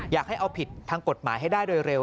อยากให้เอาผิดทางกฎหมายให้ได้โดยเร็ว